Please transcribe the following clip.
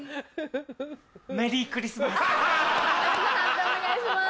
判定お願いします。